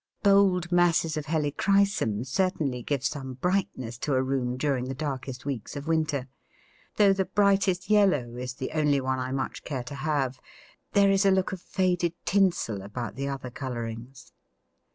Bold masses of Helichrysum certainly give some brightness to a room during the darkest weeks of winter, though the brightest yellow is the only one I much care to have; there is a look of faded tinsel about the other colourings.